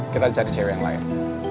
kita cari cewek yang lain